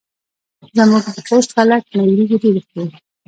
زموږ د خوست خلک مۍ وریژې ډېرې خوري.